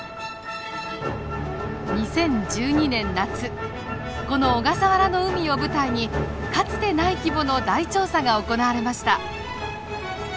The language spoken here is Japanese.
２０１２年夏この小笠原の海を舞台にかつてない規模の大調査が行われました。